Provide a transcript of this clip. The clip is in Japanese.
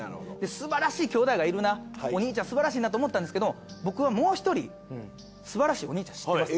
すばらしい兄弟がいるなお兄ちゃんすばらしいなと思ったんですけども僕はもう１人すばらしいお兄ちゃん知ってます。